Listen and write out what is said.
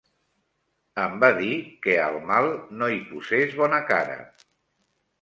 Em va dir que al mal no hi posés bona cara.